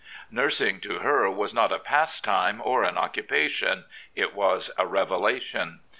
Nursing to her was not a pastime or an occupation: it was a revelation.